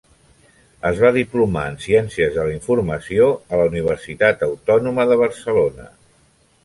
Es va diplomar en ciències de la informació a la Universitat Autònoma de Barcelona.